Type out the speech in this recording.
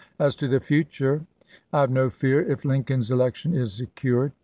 .. As to the future I have no fear, if Lincoln's election is secured.